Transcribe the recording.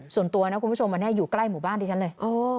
ส่วนตัวนะคุณผู้ชมอันนี้อยู่ใกล้หมู่บ้านดิฉันเลย